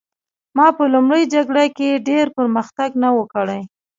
ما په لومړۍ جګړه کې ډېر پرمختګ نه و کړی